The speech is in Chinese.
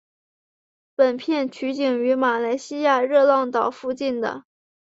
本片取景于马来西亚热浪岛邻近的。